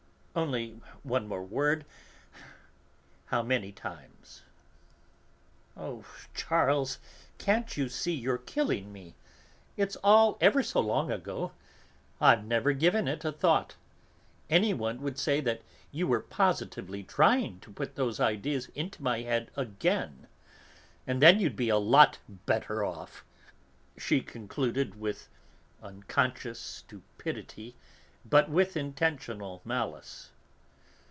Only one word more: how many times?" "Oh, Charles! can't you see, you're killing me? It's all ever so long ago. I've never given it a thought. Anyone would say that you were positively trying to put those ideas into my head again. And then you'd be a lot better off!" she concluded, with unconscious stupidity but with intentional malice.